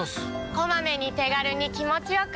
こまめに手軽に気持ちよく。